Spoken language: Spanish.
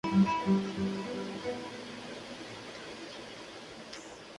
Fue un embarazo no deseado, al igual que el del propio Georg.